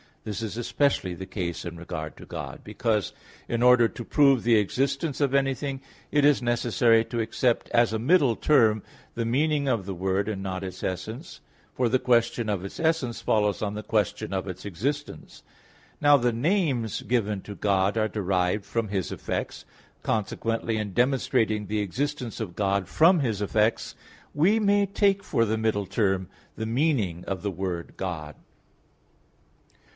This is especially the case in regard to God, because, in order to prove the existence of anything, it is necessary to accept as a middle term the meaning of the word, and not its essence, for the question of its essence follows on the question of its existence. Now the names given to God are derived from His effects; consequently, in demonstrating the existence of God from His effects, we may take for the middle term the meaning of the word "God".